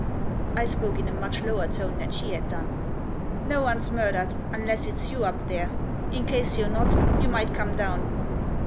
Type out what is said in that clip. I spoke in a much lower tone than she had done. " No one's murdered, unless it's you up there. In case you're not, you might come down."